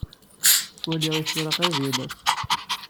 Ttwaliɣ isura qrib yal ass.